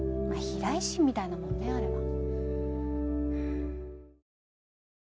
まあ避雷針みたいなもんねあれは。